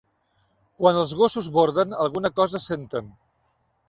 Quan els gossos borden alguna cosa senten